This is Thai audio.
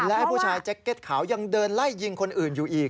และผู้ชายแจ็คเก็ตขาวยังเดินไล่ยิงคนอื่นอยู่อีก